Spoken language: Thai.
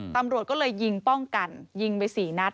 ตำรวจก็เลยยิงป้องกันยิงไป๔นัด